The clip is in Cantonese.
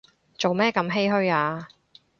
做咩咁唏噓啊